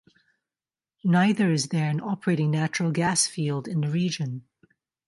Neither is there an operating natural gas field in the region.